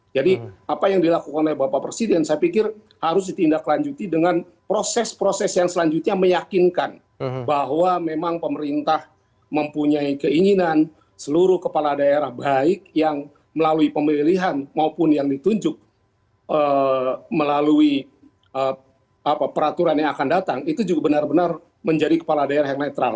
jadi apa yang dilakukan oleh bapak presiden saya pikir harus ditindaklanjuti dengan proses proses yang selanjutnya meyakinkan bahwa memang pemerintah mempunyai keinginan seluruh kepala daerah baik yang melalui pemilihan maupun yang ditunjuk melalui peraturan yang akan datang itu juga benar benar menjadi kepala daerah yang netral